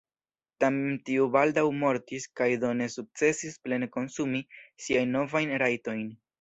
Tamen tiu baldaŭ mortis kaj do ne sukcesis plene konsumi siajn novajn rajtojn.